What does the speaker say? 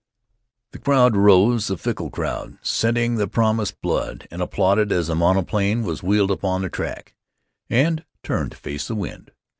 The crowd rose, the fickle crowd, scenting the promised blood, and applauded as the monoplane was wheeled upon the track and turned to face the wind.